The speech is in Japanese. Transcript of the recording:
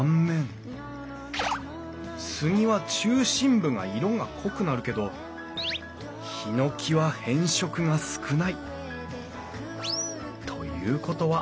スギは中心部が色が濃くなるけどヒノキは変色が少ない。ということは！